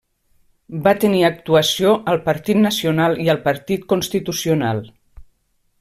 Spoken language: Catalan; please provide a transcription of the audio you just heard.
Va tenir actuació al Partit Nacional i al Partit Constitucional.